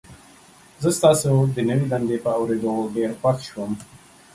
زه ستاسو د نوي دندې په اوریدو ډیر خوښ یم.